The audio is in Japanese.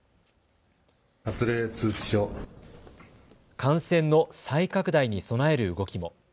感染の再拡大に備える動きも。